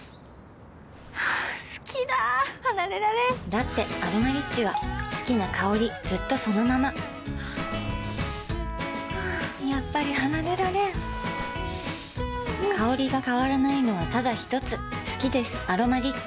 好きだ離れられんだって「アロマリッチ」は好きな香りずっとそのままやっぱり離れられん香りが変わらないのはただひとつ好きです「アロマリッチ」